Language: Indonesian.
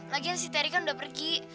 lagian si terry kan udah pergi